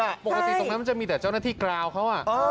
ปกติตรงนั้นมันจะมีแต่เจ้าหน้าที่กราวเขา